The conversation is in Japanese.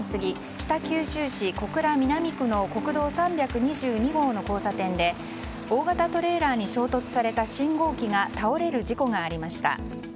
北九州市小倉南区の国道３３２号の交差点で大型トレーラーに衝突された信号機が倒れる事故がありました。